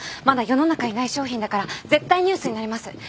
まだ世の中にない商品だから絶対ニュースになります。